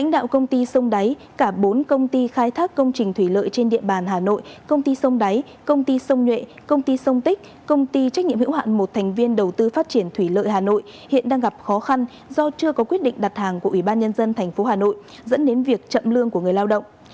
lãnh đạo công ty sông đáy cả bốn công ty khai thác công trình thủy lợi trên địa bàn hà nội công ty sông đáy công ty sông nhuệ công ty sông tích công ty trách nhiệm hữu hạn một thành viên đầu tư phát triển thủy lợi hà nội hiện đang gặp khó khăn do chưa có quyết định đặt hàng của ủy ban nhân dân tp hà nội dẫn đến việc chậm lương của người lao động